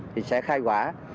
thì sẽ khai quả